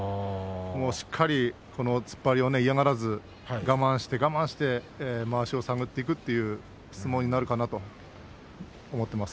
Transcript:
しっかり突っ張りを嫌がらず我慢して我慢してまわしを探っていく相撲になるかなと思います。